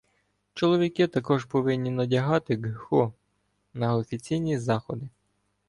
Чоловіки також повинні надягати ґхо на офіційні заходи.